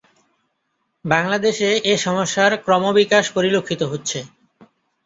বাংলাদেশে এসমস্যার ক্রমবিকাশ পরিলক্ষিত হচ্ছে।